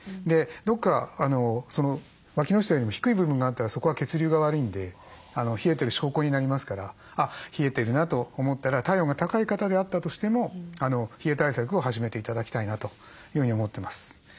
どこか脇の下よりも低い部分があったらそこは血流が悪いんで冷えてる証拠になりますから「あっ冷えてるな」と思ったら体温が高い方であったとしても冷え対策を始めて頂きたいなというふうに思ってます。